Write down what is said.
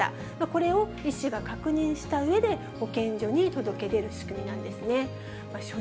これを医師が確認したうえで、保健所に届け出る仕組みなんですね。